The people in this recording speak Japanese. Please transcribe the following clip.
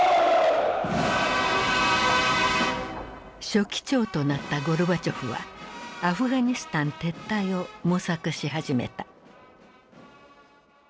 書記長となったゴルバチョフはアフガニスタン撤退を模索し始めた。